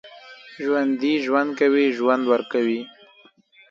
ژوندي ژوند کوي، ژوند ورکوي